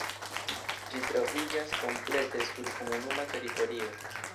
Ĝi troviĝas komplete sur komunuma teritorio.